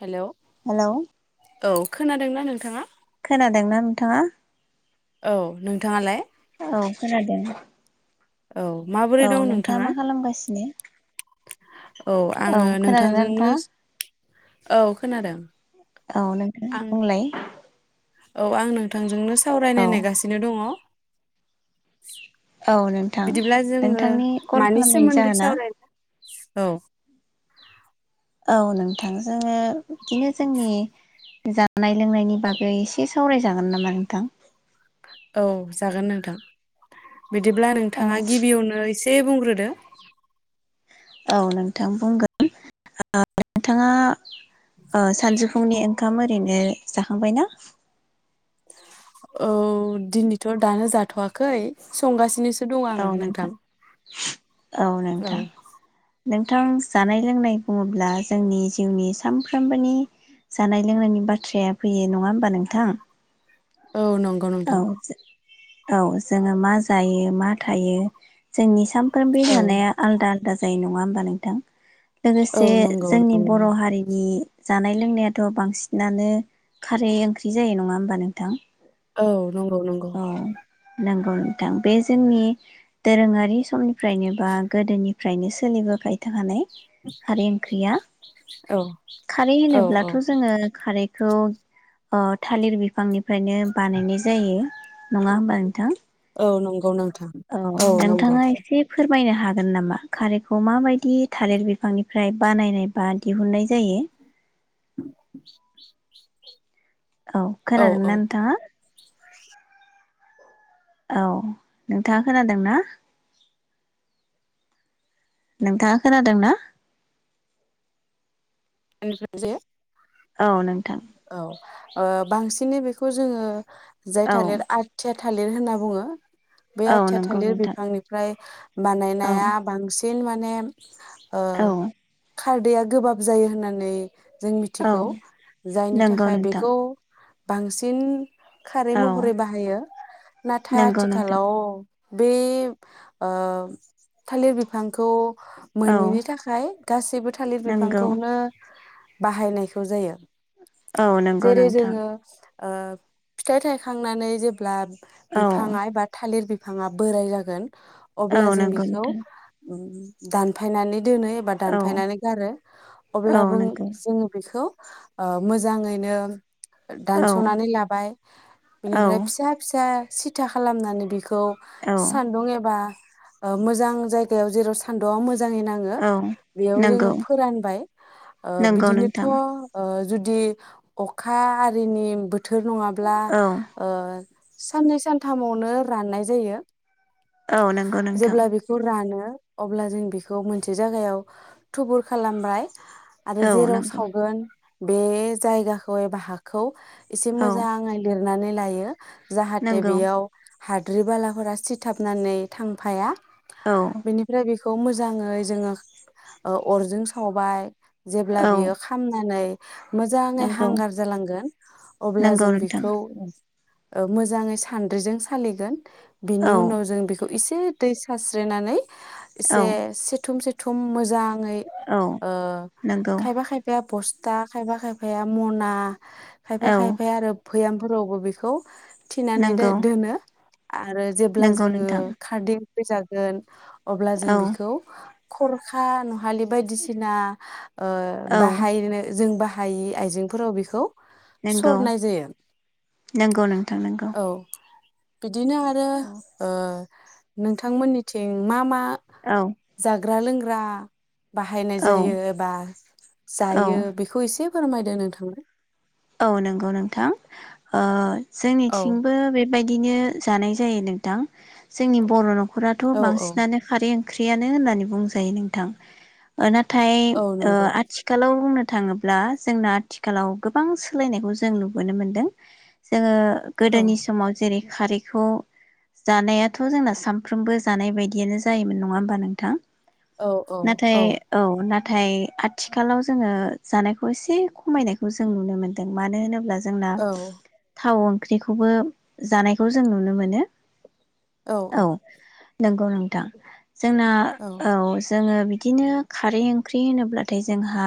Hello hello औ खोनादोंना नोंथाङा खोनादोंना नोंथाङा औ नोंथाङालाय औ खोनादों। औ माबोरै औ दं नोंथाङा मा खालामगासिनो? औ आङो खोनादोंना नोंथांजोंनो नोंथाङा? औ खोनादों औ नोंथाङा आं बुंलाय औ आं नोंथांजोंनो स [unintelligible] औ सावरायनो नेगासिनो दङ औ नोंथां बिदिब्ला जोङो नोंथांनि कल मानि खालामनायनि सोमोन्दै जाहोना सावरायनो औ औ नोंथां जोङो बिदिनो जोंनि जानाय लोंनायनि बागै एसे सावरायजागोन नामा नोंथां औ जागोन नोंथां। बिदिब्ला औ नोंथाङा गिबियावनो एसे बुंग्रोदो औ नोंथां बुंगोन [unintelligible] नोंथाङा ओ सानजु फुंनि ओंखाम ओरैनो जाखांबाय ना औ दिनैथ' दानो जाथ'वाखै संगासि नोसो दं आं नोंथां औ। नोंथां जानाय लोंनाय बुङोब्ला जोंनि जिउनि सानफ्रोमबोनि जानाय लोंनायनि बाथ्राया फैयो। नङा होमबा नोंथां? औ नंगौ औ नोंथां। औ जोङो मा जायो? मा थायो? जोंनि साम फ्रोमबोनि औ अननाया आलदा आल दा जायो नङा होमबा नोंथां? औ लोगोसे नंगौ जोंनि बर' नंगौ हारिनि जानाय लोंनायाथ' बांसिनानो खारै ओंख्रि जायो नङा होमबा नोंथां? औ। नंगौ नंगौ। नोंगौ नोंथां। बे जोंनि दोरोङारि समनि फ्रायनो बा गोदोनि फ्रायनो सोलिबोबाय थाखानाय। खारै ओंख्रिया। औ खारै औ औ होनोब्लाथ' जोङो खारैखौ ओ थालिर बिफांनिफ्रायनो बानायनाय जायो। नङा होमबा नोंथां? गौ नों औ नोंथाङा एसे फोर मायनो हागोन नामा? खारैखौ माबायदि थालिर बिफांनिफ्राय बानायनाय बा दिहुननाय जायो? [inaudible] औ खोनादों ना नोंथाङा? [inaudible] औ नोंथाङा खोनादों ना? नोंथाङा खोनादों ना? [unintelligible] औ नोंथां। औ ओ बांसिनै बेखौ जोङो जाय औ थालिर आथिया थालिर होनना बुङो। बे औ आथिया नंगौ थालिर नोंथां बिफांनिफ्राय औ बानायनाया बांसि दिन माने ओ औ खारदैआ गोबाब जायो होननानै जों औ मिथिगौ। जायनि नंगौ थाखाय नोंथां बेखौ बांसिन खारै औ महरै बाहायो नाथाय नंगौ नोंथां आथिखालाव बे ओ थालिर बिफांखौ औ मोनिनि थाखाय गासैबो थालिर नंगौ बिफांखौनो बाहायनायखौ जायो। औ नंगौ जेरै नोंथां जोङो ओ फिथाइ थायखांनानै जेब्ला औ बिफाङा बा थालिर बिफां फाङा बोराय जागोन। औ अब्ला जों नंगौ बेखौ नोंथां उम दानफायनानै दोनो एबा औ दानफायनानै गारो औ अब्लाबो नंगौ जोङो बेखौ। ओ मोजाङैनो औ दानस'नानै लाबाय बेनिफ्राय औ फिसा फिसा सिथा खालामनानै बिखौ खौ औ सान्दुं एबा ओ मोजां जायगायाव जेराव सान्द'आ मो जाङै नाङो औ बेयाव जोङो नंगौ फोरानबाय ओ नंगौ बिदिनोथ' नोंथां ओ जुदि अखा आरिनि बो थोर नङाब्ला औ ओ साननै सानथामावनो राननाय जायो। औ नंगौ नोंथां। जेब्ला बेखौ रानो अब्ला जों बेखौ मोनसे जायगायाव थुबुर खालामबाय। आरो औ जेराव नंगौ सावगोन बे जायगाखौ एबा हाखौ एसे औ मोजाङै लिर नानै लायो जाहाथे नंगौ बेयाव हाद्रि बालाफोरा सिथाबनानै थांफाया औ बेनिफ्राय बेख खौ मोजाङै जोङो ओ अरजों सावबाय जेब्ला औ बियो खामनानै मोजाङै नंगौ हांगार जालांगोन अब्ला नंगौ जों नोंथां बेखौ ओ मोजाङै सान्द्रिजों सालिगोन बिनि औ उनाव जों बेखौ एसे दै सास्रिनानै एसे औ सिथुम सि थुम मोजां नै औ ओ नंगौ खायफा खायफाया बस्थ दा खायबा खायफायााया मना खायफा औ खायफाया आरो फैयामफोरावबो बेखौ थिनानै नंगौ दो-दोनो आरो जेब्ला नंगौ जोङो नोंथां खारदै फैजागोन अब्ला जों औ बिखौ खरखा नुहालि बायदिसिना ओ औ बाहायनो जों बाहायि आइजेंफोराव बेखौ नोंगौ सरनाय जायो नोंगौ नोंथां नोंगौ औ बिदिनो आरो ओ नोंथांमोननिथिं मा मा औ जाग्रा लोंग्रा ब्रा बाहायनाय औ जायो एबा जायो। एसे फोरमायदो नोंथांनो औ नोंगौ नोंथां ओ औ जोंनिथिंबो बे बायदिनो जानाय जायो नोंथां जोंनि बर' न' खराथ' औ बांसिनानो खारै ओंख्रियानो होननानै बुंजायो नोंथां ना थाय औ नंगौ आथिखालाव बुंनो थाङोब्ला जोंना आथिखालाव गोबां सोलायनायखौ जों नुबोनो मोनदों जोङो औ गोदोनि समाव जेरै खारैखौ जानायाथ' जोंना सानफ्रोमबो जानाय बायदियानो जायोमोन नङा होमबा नोंथां। नाथाय औ ना थाय आथिखालाव जोङो जानायखौ एसे खमायनायखौ जों नुनो मोन्दों मानो होनोब्ला जोंना थाउन ओंख्रिखौबो जानायखौ जों नुनो मोनो औ औ नंगौ नोंथां जोंना औ जोङो बिदिनो खारै ओंख्रि होनोब्लाथाय जोंहा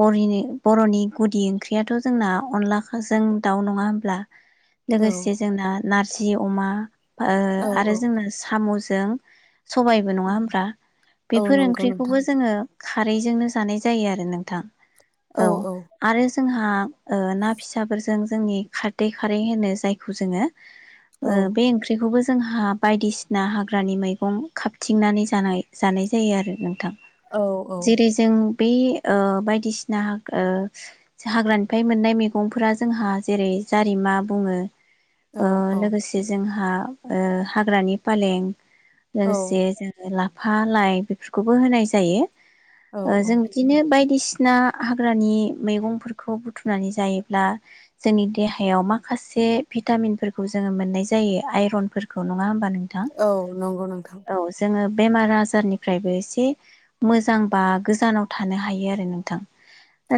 बर'नि बर'नि गुदि ओंख्रियाथ' जोंना अनलाजों दाउ नङा होमब्ला औ लोगोसे जोंना नारजि अमा ओ औ आरो औ जोंना साम' [unintelligible] सबायबो नङा होनबा औ बेफोर नंगौ ओंख्रिखौबो नोंथां जोङो खारैजोंनो जानाय जायो आरो नोंथां। औ आरो जोंहा ओ ना फिसाफोरजों जोंनि खारदै खारै होनो जायखौ जोङो औ ओ बे ओंख्रिखौबो जोंहा बायदिसिना हाग्रानि मैगं खाबथिंनानै जानाय जानाय जायो आरो नोंथां। औ जेरै जों बे बायदिसिना ओ हाग्रानिफ्राय मोननाय मैगंफोरा जोंहा जेरै जारिमा बुङो औ ओ औ लोगोसे जोंहा हा ओ हाग्रानि पालें लोगोसे जोङो ला फा लाइ बेफोरखौबो होनाय जायो। औ ओ जों बिदिनो बायदिसि ना हाग्रानि मैगंफोर खौ बुथुमनानै जायोब्ला जोंनि देहायाव माखासे भिटामिनफोरखौ जोङो मोननाय जायो आइरनफोरखौ नङा होम बा नोंथां औ नंगौ नोंथां औ जोङो बेमार आजारनिफ्रायबो एसे मोजां बा गोजानाव थानो हायो आरो नोंथां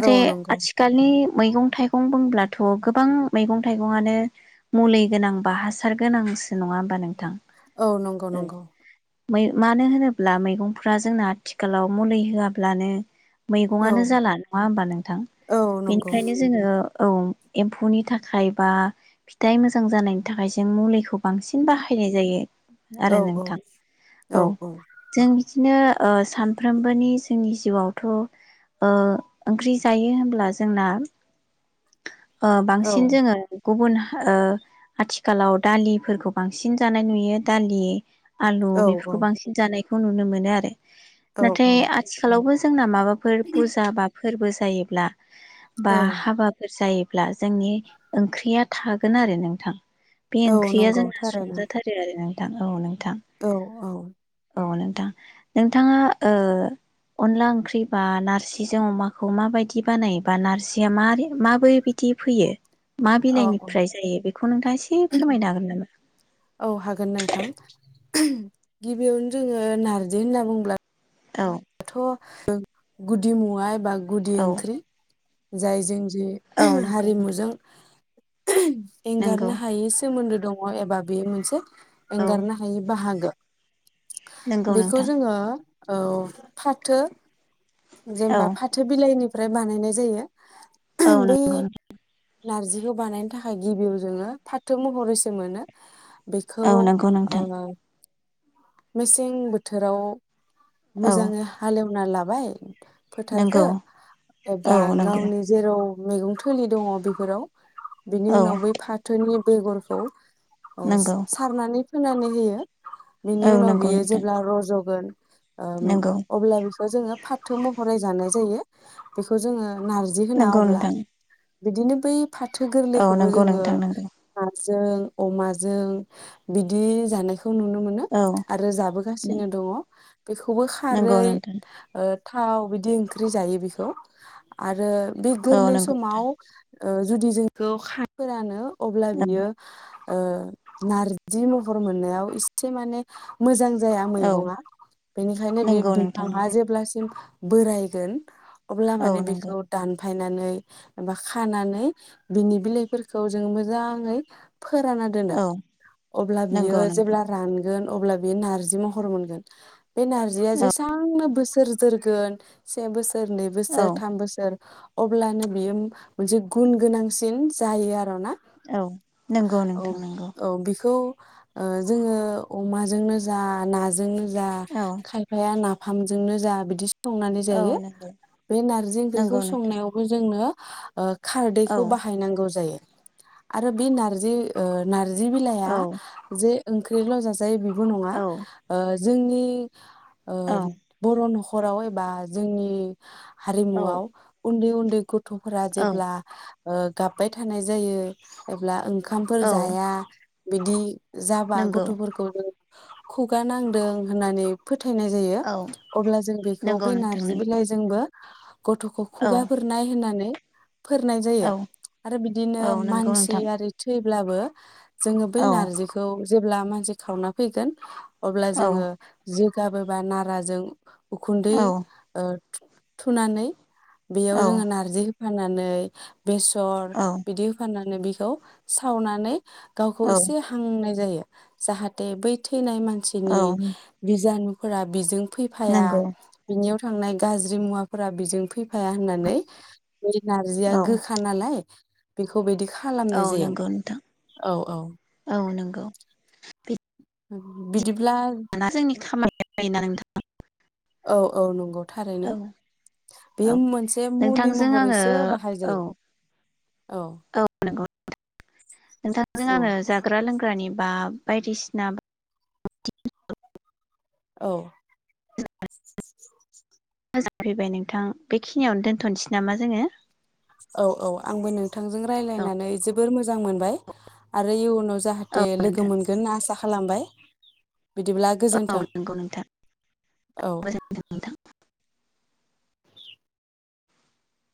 औ नंगौ नि मैगं थाइगं बुंब्लाथ' गोबां मैगं थाइगं आनो मुलि गोनां बा हासार गोनांसो नङा होमबा नों औ नंगौ नंगौ मै मानो होनोब्ला मैगंफ्रा जोंना आथिखालाव मुलि होआब्लानो औ मैगंआनो जाला नङा होमबा नोंथां? औ नंगौ बेनिखायनो जोङो औ एम्फौनि थाखाय बा फिथाइ मोजां जानायनि थाखाय जों मुलैखौ बांसिन बाहायनाय जायो आरो औ औ नोंथां। औ जों बिदिनो ओ सानफ्रोमबोनि जोंनि जिवावथ' ओ ओंख्रि जायो होन ब्ला जोंना ओ औ बांसिन जोङो गुबुन ओ आथिखालाव दालिफोरखौ बांसिन जानाय नुयो दालि आलु औ औ बेफोरखौ बांसिन जानाय खौ नुनो मोनो आरो। औ नाथाय आथिखालावबो जोंना माबा फोर पुजा बा फोरबो जायोब्ला बा औ हाबाफोर जायो ब्ला जोंनि ओंख्रिया थागोन आरो नोंथां। बे औ ओंख्रिया नंगौ जोंना थारैनो संजाथारो आरोना। थां औ नोंथां। औ औ। औ नोंथां। नोंथाङा ओ अनला ओंख्रि बा नारजिजों अमाखौ मा बायदि दि बानायोबा नारजिया मारै माबोरै बिदि फैयो? मा औ औ बिलाइनिफ्राय जायो? बेखौ नोंथाङा एसे फोरमायनो हागोन नामा? औ हागोन नोंथां। गिबियावनो जोङो नारजि होनना बुंब्ला औ। दाथ' गुदि मुवा एबा गुदि औ ओंख्रि। जाय जोंनि जि औ नंगौ नोंथां हारिमुजों नंगौ एंगारनो हायै सोमोन्दो दङ एबा बे मोनसे औ एंगारनो हायि बाहागो। नंगौ बेखौ नोंथां जोङो औ। फाथो। औ जेनबा फाथो बिलाइनि फ्राय बानायनाय जायो। औ बे नंगौ नार्जिखौ बानायनो थाखाय गिबियाव जोङो फाथो महरैसो मोनो औ बेखौ नंगौ नोंथां ओ मेसें बोथोराव औ मोजाङै हालेव ना लाबाय फोथारखो नंगौ एबा औ नंगौ गावनि जेराव मैगं थोलि दङ बेफोराव बिनि औ उनाव बै फाथोनि बेगरखौ ओ नंगौ सारनानै खानै होयो औ बिनि उनाव नंगौ बियो नोंथां जेब्ला रज'ग गोन उम नंगौ अब्ला बिखौ जोङो फाथो महरै जानाय जायो बेखौ जोङो नारजि होना नंगौ अब्ला नोंथां बिदिनो बै फाथो औ गोरलैखौबो नंगौ जोङो नोंथां नंगौ जों अमाजों बिदि जानायखौ नुनो मोन औ आरो जाबोगासिनो दङ बेखौबो नंगौ खारै नोंथां थाव बिदि ओंख्रि जायो बेखौ आरो औ बोगोलो नंगौ समाव नोंथां ओ जुदि जोंखौ खा फोरानो अब्ला बियो ओ नारजि महर मोननायाव एसे माने मोजां जाया औ मैगंआ बेनिखायनो बे नंगौ नोंथां बिफाङा नंगौ जेब्लासिम बोरायगोन अब्ला औ माने नंगौ बेखौ दान फायनानै एा खानानै बिनि बिलाइफोरखौ जों मोजाङै फोराना दोनो औ अब्ला नंगौ बियो नोंथां जेब्ला रानो अब्ला बेयो नारजि महर मोनगोन। बे नारजिया औ जेसांनो बो सोर जोरोगोन से बोसोर, नै औ बोसोर, थाम बोसोर अब्लानो बियो मोनसे गुन गोनांसिन जायो आरो ना औ नंगौ औ नोंथां, नंगौ। औ बेखौ ओ जोङो अमाजोंनो जा, नाजोंनो जा, औ खायफाया ना फामजोंनो जा, बिदि संनानै औ जायो। नंगौ बे नारजि ओंख्रिखौ नंगौ नोंथां संनायावबो जोंनो ओ औ खारदैखौ बाहायनांगौ जायो। आरो बे नारजि ओ नारजि औ बिलाइआ जे ओंख्रिल' जाजायो जाय बि बेल नङा औ ओ जोंनि औ बर' नखराव एबा जोंनि हारिमुआव उन्दै उन्दै बे गथ' फोरा औ जेब्ला ओ गाबबाय थानाय जायो अब्ला ओं ओंखामफोर औ जाया बिदि जाबा नंगौ गथ'फोरखौ खुगा नांदों होननानै फो थायनाय जायो औ अब्ला जों बेखौ नंगौ बे नोंथां नारजि नंगौ बिलाइजोंबो [unintelligible] गथ'खौ औ खुगा फोरनाय होननानै फोरनाय जायो औ आरो बिदिनो औ नंगौ मानसि नोंथां आरि थै ब्लाबो जोङो बै औ नारजिखौ जेब्ला मानसि सावना फैगोन अब्ला औ जोङो गाबोबा नाराजों उखुन्दै औ ओ थुनानै बेयाव औ जोङो नारजि होनानै बेसर औ बिदि होफाना नै बिखौ सावनानै गावखौ औ एसे हांनाय जायो [inaudible] जाहाथे बै थैनाय मान औ सिनि बिजानु फोरा बेजों फैफाया नंगौ बिनियाव थांनाय गाज्रि मुवाफोरा बेजों फैफाया होननानै बे नारजिया औ गोखा नालाय बेखौ बैदि औ खालामनाय जायो नंगौ औ औ गौ बि बिदिब दाना जोंनि खामा [unintelligible] जायोना नोंथां औ औ नंगौ थारैनो औ औ बेयो मोनसे मुलि नोंथांजों आङो महरैसो बाहाय औ जायो औ नोंथांजों आंङो औ जाग्रा लोंग्रानि बा बायदिसिना औ मोजां फैबाय नोंथां बेखिनियावनो दोनथनोसै नामा जोंङो औ औ आंबो नों थांजों रायज्लायनानै जोबोर मोजां मोनबाय आरो इउनाव औ जाहाथे लोगो नोंथां मोनगोन आसा खालामबाय बिदिब्ला औ गोजोन्थों नंगौ नोंथां औ गोजोनथों नोंथां